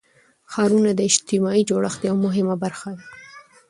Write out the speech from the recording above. ښارونه د اجتماعي جوړښت یوه مهمه برخه ده.